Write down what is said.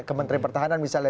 kementerian pertahanan misalnya